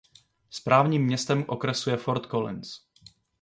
Správním městem okresu je Fort Collins.